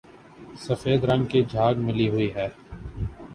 سفید رنگ کی جھاگ ملی ہوئی ہے